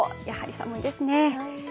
やはり寒いですね。